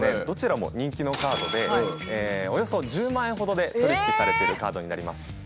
どちらも人気のカードでおよそ１０万円ほどで取り引きされてるカードになります。